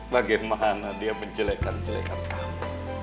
bagaimana dia menjelekan jelekan kamu